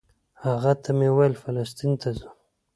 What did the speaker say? هغه ته مې ویل فلسطین ته ځو.